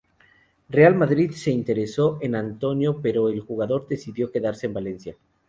Real Madrid se interesó en Antonio pero el jugador decidió quedarse en Valencia.